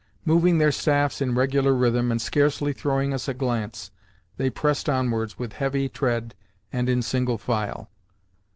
Moving their staffs in regular rhythm, and scarcely throwing us a glance, they pressed onwards with heavy tread and in single file.